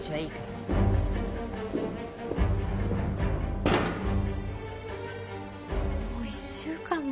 もう１週間も。